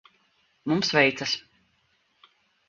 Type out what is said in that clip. Mums veicas.